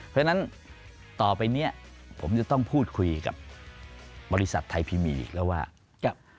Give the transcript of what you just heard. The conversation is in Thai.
เพราะฉะนั้นต่อไปเนี่ยผมจะต้องพูดคุยกับบริษัทไทยพีมีอีกแล้วว่า